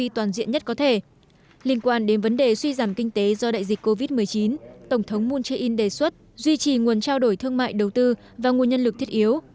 tổng thống moon jae in đề xuất duy trì nguồn trao đổi thương mại đầu tư và nguồn nhân lực thiết yếu